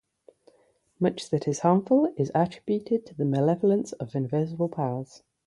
Much that is harmful is attributed to the malevolence of invisible powers.